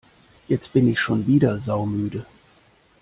Jetzt bin ich schon wieder saumüde!